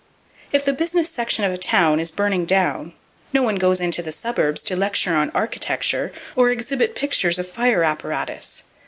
If the business section of a town is burning down, no one goes into the suburbs to lecture on architecture, or exhibit pictures of fire apparatus.